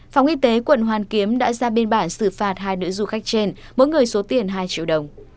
phòng y tế quận hoàn kiếm đã ra biên bản xử phạt hai nữ du khách trên mỗi người số tiền hai triệu đồng